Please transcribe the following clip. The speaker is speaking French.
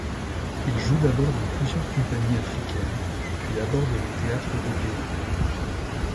Il joue d’abord dans plusieurs compagnies africaines puis aborde le théâtre européen.